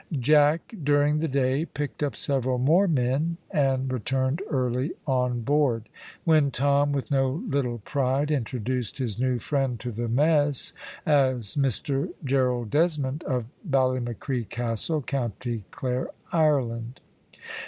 Jack during the day picked up several more men, and returned early on board; when Tom, with no little pride, introduced his new friend to the mess, as Mr Gerald Desmond, of Ballymacree Castle, County Clare, Ireland.